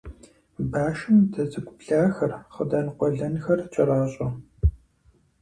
Башым дэ цӀыкӀу блахэр, хъыдан къуэлэнхэр кӀэращӀэ.